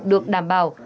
được đảm bảo